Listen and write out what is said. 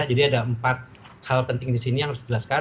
jadi ada empat hal penting di sini yang harus dijelaskan